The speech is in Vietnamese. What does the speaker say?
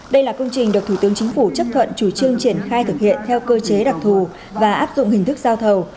đây là công trình được thủ tướng chính phủ chấp thuận chủ trương triển khai thực hiện theo cơ chế đặc thù và áp dụng hình thức giao thầu